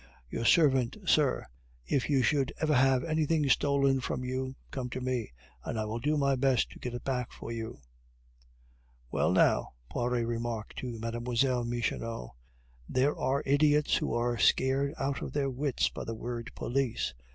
Your servant, sir. If you should ever have anything stolen from you, come to me, and I will do my best to get it back for you." "Well, now," Poiret remarked to Mlle. Michonneau, "there are idiots who are scared out of their wits by the word police.